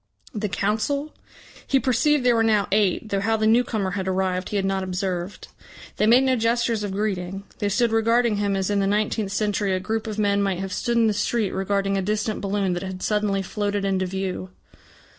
The Council? He perceived there were now eight, though how the newcomer had arrived he had not observed. They made no gestures of greeting; they stood regarding him as in the nineteenth century a group of men might have stood in the street regarding a distant balloon that had suddenly floated into view.